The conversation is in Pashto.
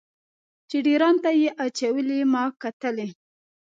چې ډیر ان ته یې اچولې ما کتلی.